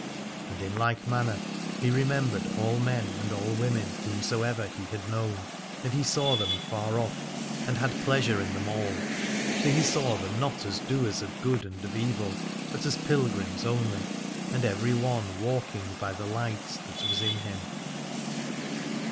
And in like manner he remembered all men and all women whomsoever he had known, and he saw them afar off and had pleasure 356 Aladore in them all : for he saw them not as doers of good and of evil but as pilgrims only, and every one walking by the light that was in him.